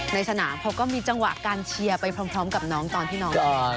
ในสนามเขาก็มีจังหวะการเชียร์ไปพร้อมกับน้องตอนที่น้องออก